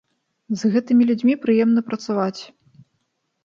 З гэтымі людзьмі прыемна працаваць.